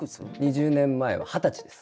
２０年前は二十歳です。